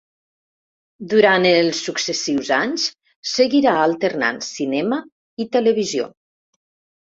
Durant els successius anys seguirà alternant cinema i televisió.